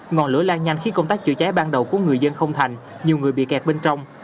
ngọn lửa lan nhanh khiến công tác chữa cháy ban đầu của người dân không thành nhiều người bị kẹt bên trong